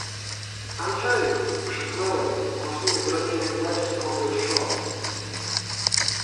— Andrzeju! — krzyknąłem, opasując ramieniem gładki, obły trzon.